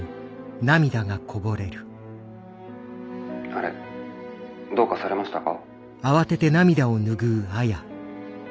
「あれどうかされましたか？」。